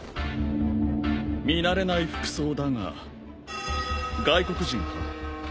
見慣れない服装だが外国人か？